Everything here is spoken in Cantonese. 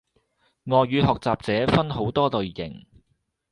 外語學習者分好多類型